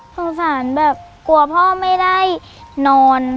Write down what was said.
สงสารแบบกลัวพ่อไม่ได้นอน